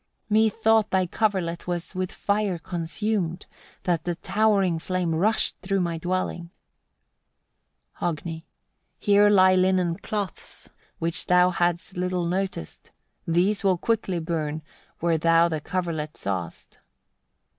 15. "Methought thy coverlet was with fire consumed; that the towering flame rushed through my dwelling." Hogni. 16. "Here lie linen cloths, which thou hadst little noticed: these will quickly burn where thou the coverlet sawest."